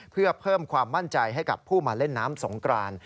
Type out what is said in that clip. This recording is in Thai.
เพื่อเพิ่มความมั่นใจให้กับผู้มาเล่นน้ำสงกราน